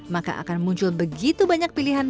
maka akan muncul begitu banyak pilihan